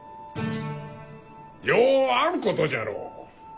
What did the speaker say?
ようあることじゃろ？